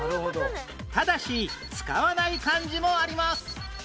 ただし使わない漢字もあります